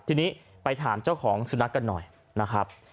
ทีนี้ไปถามเจ้าของสุนัขกันหน่อยนะครับ